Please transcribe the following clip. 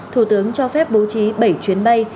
thủ tướng cho phép bố trí bảy chuyến bay